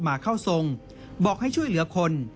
มาเข้าทรงบอกให้ช่วยเหลือคน